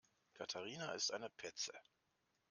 Katharina ist eine Petze.